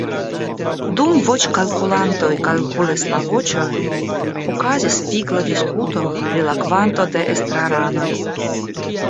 Dum voĉkalkulantoj kalkulis la voĉojn, okazis vigla diskuto pri la kvanto de estraranoj.